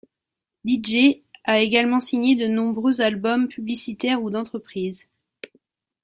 Didgé a également signé de nombreux albums publicitaires ou d'entreprise.